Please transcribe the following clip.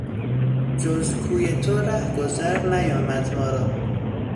جز کوی تو رهگذر نیامد ما را